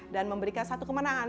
dan memberikan satu kemenangan